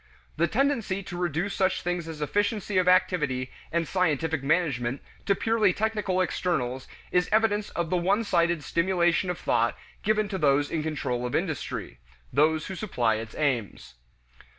The tendency to reduce such things as efficiency of activity and scientific management to purely technical externals is evidence of the one sided stimulation of thought given to those in control of industry those who supply its aims.